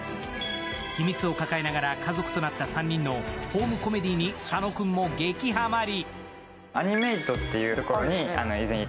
秘密を抱えながら家族となった３人のホームコメディに佐野君も激ハマり。